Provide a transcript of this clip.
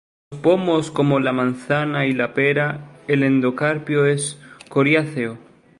En los pomos, como la manzana y la pera, el endocarpio es coriáceo.